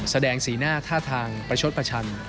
แสดงสีหน้าท่าทางประชดประชัน